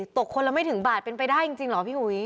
คนละไม่ถึงบาทเป็นไปได้จริงเหรอพี่อุ๋ย